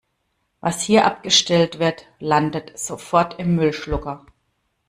Was hier abgestellt wird, landet sofort im Müllschlucker.